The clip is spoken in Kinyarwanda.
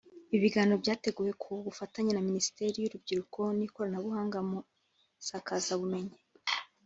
Ibi biganiro byateguwe ku bufatanye na minisiteri y’urubyiruko n’ikoranabuhanga mu isakazabumenyi